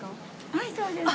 はいそうです。